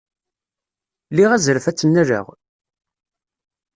Liɣ azref ad tt-nnaleɣ?